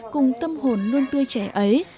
cùng tâm hồn luôn tươi trẻ ấy